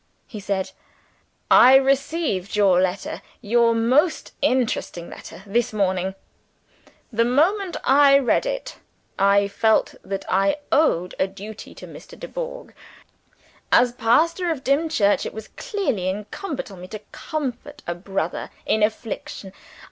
he said, "I received your letter your most interesting letter this morning. The moment I read it I felt that I owed a duty to Mr. Dubourg. As pastor of Dimchurch, it was clearly incumbent on me to comfort a brother in affliction.